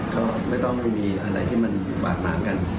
ก็ไม่ต้องมีอะไรที่มันบาดหมางกัน